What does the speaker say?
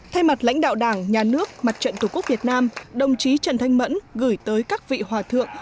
thay mặt lãnh đạo đảng nhà nước mặt trận tổ quốc việt nam đồng chí trần thanh mẫn gửi tới các vị hòa thượng